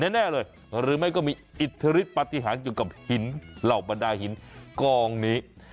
แน่เลยหรือไม่ก็มีอิทธิฤทธปฏิหารเกี่ยวกับหินเหล่าบรรดาหินกองนี้